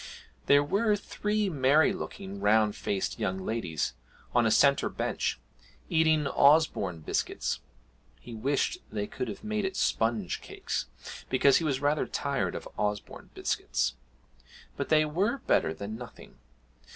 There were three merry looking, round faced young ladies on a centre bench, eating Osborne biscuits. He wished they could have made it sponge cakes, because he was rather tired of Osborne biscuits; but they were better than nothing.